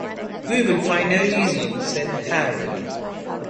"We will find her easily," said Harry.